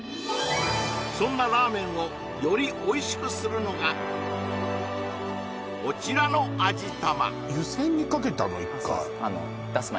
そんなラーメンをよりおいしくするのがこちらの味玉そうです